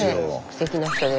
すてきな人で。